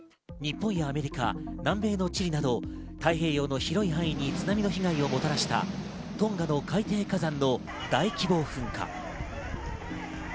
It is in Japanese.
日本やアメリカ、南米のチリなど太平洋の広い範囲に津波の被害をもたらしたトンガの海底火山の大規模噴火。